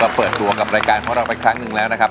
เธอก็เปิดตัวกับรายการพ่อเราไปครั้งนึงแล้วนะครับ